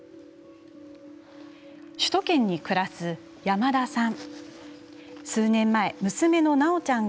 首都圏に暮らす山田さん。